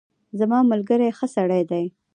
زما ملګری ښه سړی دی.